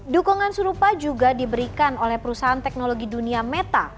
dukungan serupa juga diberikan oleh perusahaan teknologi dunia meta